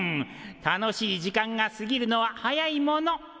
楽しい時間が過ぎるのは早いもの。